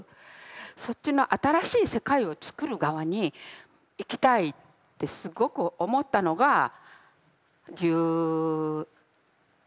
そっちの新しい世界をつくる側に行きたいってすごく思ったのが１３とか４とか。